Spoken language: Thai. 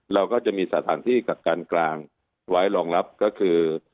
เราก็จะมีสถานที่กักกันกลางไว้รองรับก็คือ